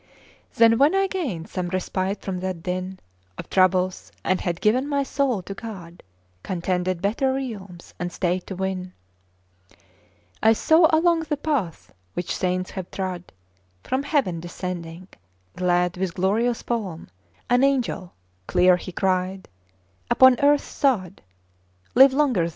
Then when I gained some respite from that din Of troubles, and had given my soul to God, Contented better realms and state to win, I saw along the path which saints have trod, From heaven descending, glad, with glorious palm, An angel: clear he cried, "Upon earth's sod Live longer thou!